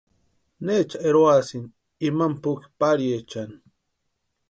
¿Nécha eroasïni imani puki pariechani?